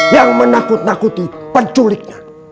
yang menakut nakuti penculiknya